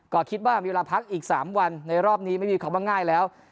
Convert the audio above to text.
ก็คิดว่ามีเวลาพักอีก๓วันในรอบนี้ไม่มีคำว่าง่ายแล้ว